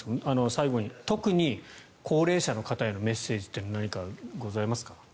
最後に特に高齢者の方へのメッセージ何かございますか。